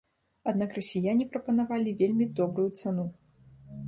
Аднак расіяне прапанавалі вельмі добрую цану.